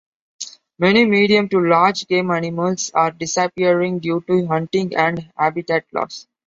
Many medium to large game animals are disappearing due to hunting and habitat loss.